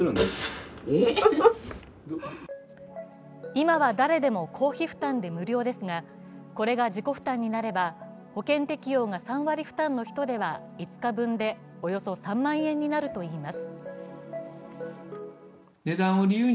今は誰でも公費負担で無料ですが、これが自己負担になれば保険適用が３割負担の人では５日分でおよそ３万円になるといいます。